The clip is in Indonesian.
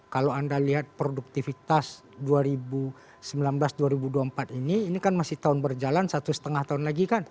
kalau anda lihat produktivitas dua ribu sembilan belas dua ribu dua puluh empat ini ini kan masih tahun berjalan satu setengah tahun lagi kan